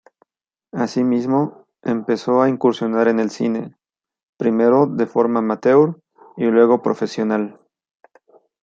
Asimismo, empezó a incursionar en el cine, primero de forma amateur y luego profesional.